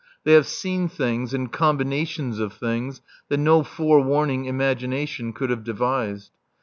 They have seen things and combinations of things that no forewarning imagination could have devised.